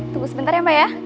tunggu sebentar ya mbak ya